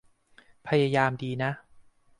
พยายามดีนะ